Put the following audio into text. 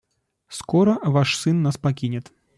Скоро ваш сын нас покинет.